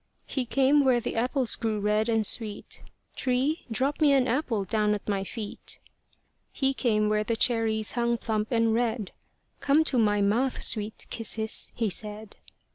He came where the apples grew red and sweet: "Tree, drop me an apple down at my feet." He came where the cherries hung plump and red: "Come to my mouth, sweet kisses," he said.